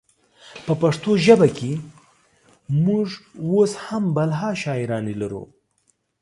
په پښتو ژبه کې مونږ اوس هم بلها شاعرانې لرو